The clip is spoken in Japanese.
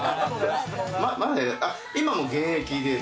今も現役で？